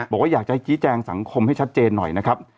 บอกว่าอยากจะชี้แจงสังคมให้ชัดเจนหน่อยนะครับ